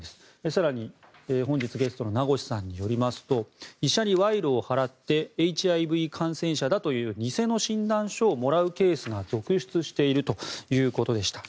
更に、本日ゲストの名越さんによりますと医者に賄賂を払ってＨＩＶ感染者だという偽の診断書をもらうケースが続出しているということでした。